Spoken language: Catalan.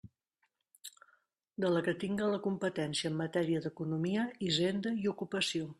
De la que tinga la competència en matèria d'economia, hisenda i ocupació.